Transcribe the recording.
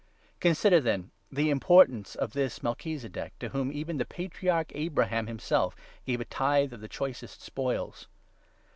Consider, then, the importance of this Melchizedek, to whom 4 even the Patriarch Abraham himself gave a tithe of the choicest spoils.